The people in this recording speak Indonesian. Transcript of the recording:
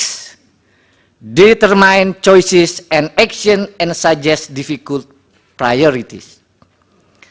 menentukan pilihan dan aksi dan menunjukkan prioritas yang sulit